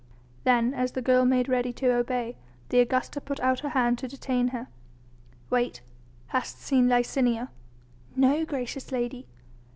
Then as the girl made ready to obey, the Augusta put out her hand to detain her. "Wait! Hast seen Licinia?" "No, gracious lady."